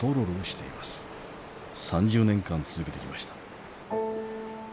３０年間続けてきました。